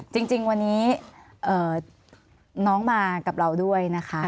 จริงวันนี้น้องมากับเราด้วยนะคะ